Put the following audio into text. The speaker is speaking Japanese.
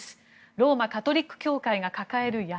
ローマ・カトリック教会が抱える闇。